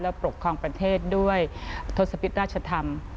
ปกครองประเทศด้วยทศพิษราชธรรม